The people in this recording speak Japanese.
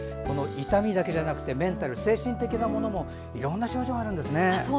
痛みだけじゃなくてメンタル、精神的なものもいろんな症状があるんですね。